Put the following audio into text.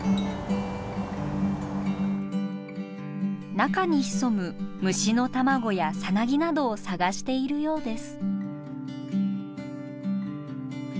中に潜む虫の卵やさなぎなどを探しているようです。